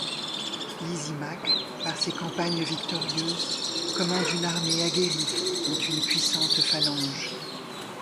Lysimaque, par ses campagnes victorieuses, commande une armée aguerrie dont une puissante phalange.